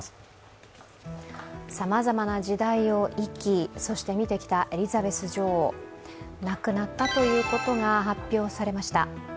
さまざまな時代を生き、そして見てきたエリザベス女王、亡くなったということが発表されました。